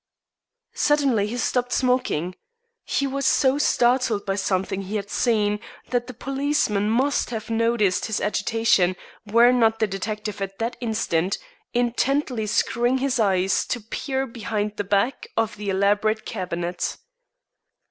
Suddenly he stopped smoking. He was so startled by something he had seen that the policeman must have noticed his agitation were not the detective at that instant intently screwing his eyes to peer behind the back of the elaborate cabinet.